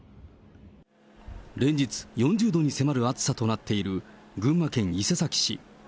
連日、４０度に迫る暑さとなっている群馬県伊勢崎市。